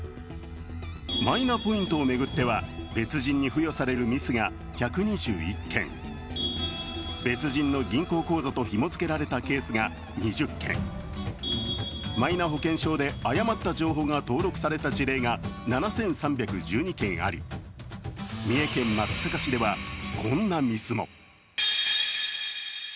マイナポイントを巡っては別人に付与されるミスが１２１件、別人の銀行口座とひもづけられたケースが２０件、マイナ保険証で誤った情報が登録された事例が７３１２件あり三重県松阪市ではこんなミスも。